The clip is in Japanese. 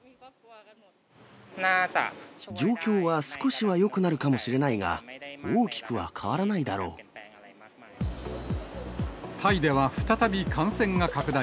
状況は少しはよくなるかもしれないが、タイでは再び感染が拡大。